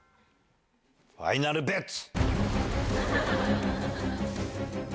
ファイナルベッツ！